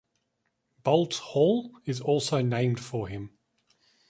Boldt Hall is also named for him.